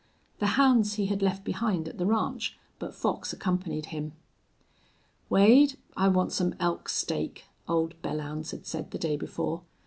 The hounds he had left behind at the ranch, but Fox accompanied him. "Wade, I want some elk steak," old Belllounds had said the day before.